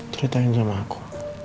ceritain sama aku